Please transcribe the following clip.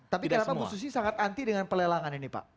tapi kenapa bu susi sangat anti dengan pelelangan ini pak